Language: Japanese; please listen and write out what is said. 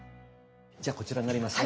じゃあこちらになりますね。